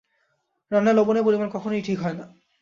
রান্নায় লবণের পরিমাণ কখনোই ঠিক হয় না।